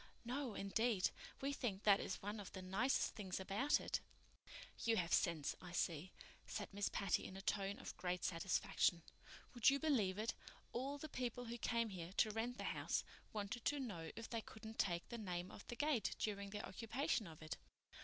"No, indeed. We think that is one of the nicest things about it." "You have sense, I see," said Miss Patty in a tone of great satisfaction. "Would you believe it? All the people who came here to rent the house wanted to know if they couldn't take the name off the gate during their occupation of it.